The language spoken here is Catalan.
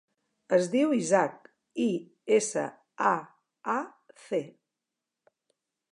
Es diu Isaac: i, essa, a, a, ce.